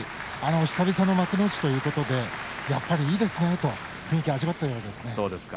久々の幕内ということでやっぱり、いいですねと雰囲気を味わったようです。